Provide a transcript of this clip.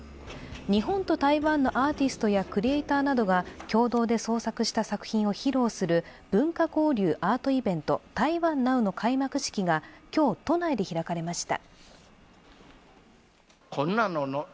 日本と台湾のアーティストやクリエーターなどが共同で創作した作品を披露する文化交流アートイベントＴａｉｗａｎＮＯＷの開幕式が今日都内で開かれました。